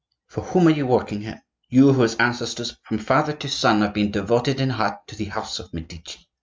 For whom are you working here, you whose ancestors from father to son have been devoted in heart to the house of Medici?